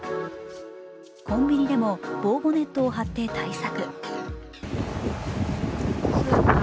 コンビニでも防護ネットを張って対策。